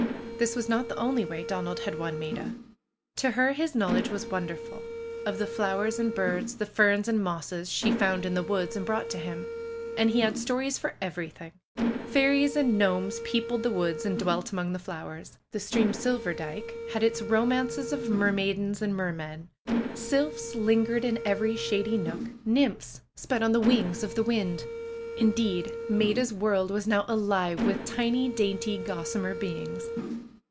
This was not the only way Donald had won Maida. To her his knowledge was wonderful — of the flowers and birds, the ferns and mosses she found in the woods and brought to him. And he had stories for every thing. Fairies and gnomes peopled the woods and dwelt among the flowers. The stream, Silverdike, had its romances of mermaidens and mermen. Sylphs lin PRUE'S GARDENER 185 gered in every shady nook. Nymphs sped on the wings of the wind. Indeed, Maida's world was now alive with tiny, dainty, gossamer beings.